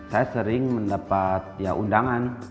saya sering mendapat ya undangan